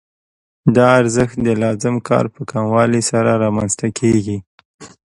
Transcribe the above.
دا ارزښت د لازم کار په کموالي سره رامنځته کېږي